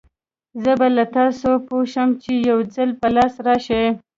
زه به له تاسره پوه شم، چې يوځل په لاس راشې!